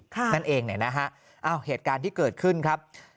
นั่นเองเนี่ยนะฮะอ้าวเหตุการณ์ที่เกิดขึ้นครับ